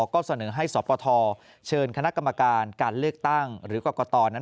ก็เสนอให้สปทเชิญคณะกรรมการการเลือกตั้งหรือกรกตนั้น